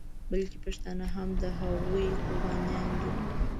بلکې پښتانه هم د هغوی قربانیان دي.